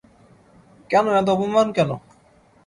কেন, এত অপমান কেন?